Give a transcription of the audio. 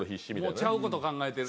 ちゃうこと考えてる。